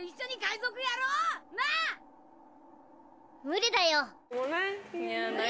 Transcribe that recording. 無理だよ。